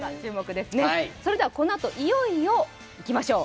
それではこのあといよいよ、いきましょう。